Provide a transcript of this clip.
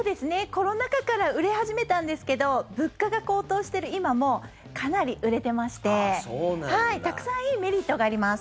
コロナ禍から売れ始めたんですが物価が高騰している今もかなり売れていましてたくさんいいメリットがあります。